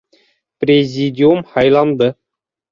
Президиум һайланды.